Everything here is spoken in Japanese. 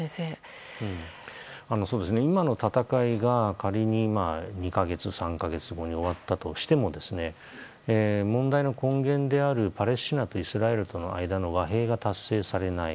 そうですね、今の戦いが仮に２か月、３か月後に終わったとしても問題の根源であるパレスチナとイスラエルとの間の和平が達成されない。